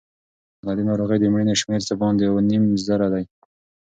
له دې ناروغۍ د مړینې شمېر څه باندې اووه نیم زره دی.